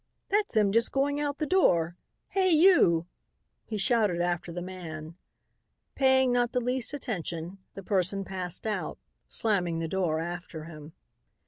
"That's him just going out the door. Hey, you!" he shouted after the man. Paying not the least attention, the person passed out, slamming the door after him.